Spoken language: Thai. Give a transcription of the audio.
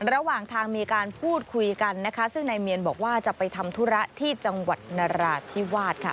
ระหว่างทางมีการพูดคุยกันนะคะซึ่งนายเมียนบอกว่าจะไปทำธุระที่จังหวัดนราธิวาสค่ะ